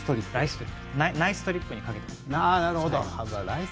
ナイストリップにかけています。